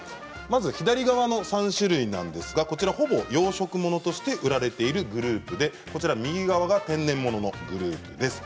左側の３種類ほぼ養殖物として売られているグループで右側が天然物のグループです。